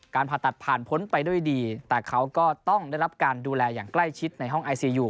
ผ่าตัดผ่านพ้นไปด้วยดีแต่เขาก็ต้องได้รับการดูแลอย่างใกล้ชิดในห้องไอซียู